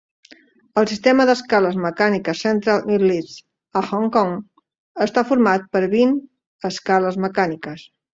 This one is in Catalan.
El sistema d'escales mecàniques Central-Midlevels a Hong Kong està format per vint escales mecàniques.